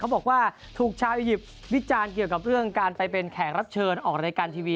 บอกว่าถูกชาวอียิปต์วิจารณ์เกี่ยวกับเรื่องการไปเป็นแขกรับเชิญออกรายการทีวี